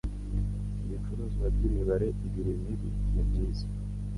Ibicuruzwa byimibare ibiri mibi nibyiza.